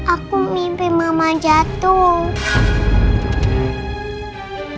aku mimpi mama jatuh